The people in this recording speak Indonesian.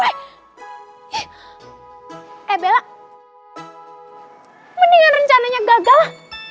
eh bella mendingan rencananya gagal